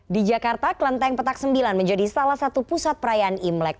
di jakarta kelenteng petak sembilan menjadi salah satu pusat perayaan imlek